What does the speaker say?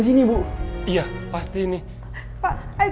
yuk yuk yuk kesana yuk